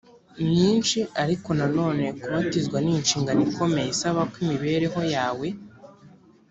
myinshi ariko nanone kubatizwa ni inshingano ikomeye isaba ko imibereho yawe